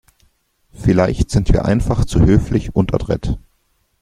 Vielleicht sind wir einfach zu höflich und adrett.